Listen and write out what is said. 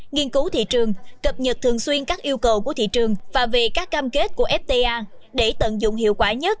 nghiên cứu thị trường cập nhật thường xuyên các yêu cầu của thị trường và về các cam kết của fta để tận dụng hiệu quả nhất